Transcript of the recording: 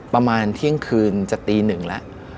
ประมาณที่เที่ยงคืนจะตี๑และ